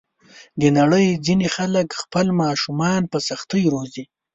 د نړۍ ځینې خلک خپل ماشومان په سختۍ روزي.